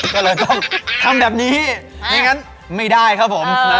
ก็เลยต้องทำแบบนี้ไม่ได้ครับผม